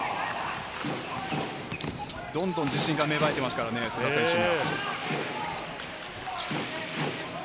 どんどん自信が芽生えてますからね、須田選手は。